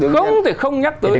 không thể không nhắc tới